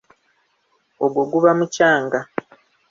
Ogwo guba mucanga.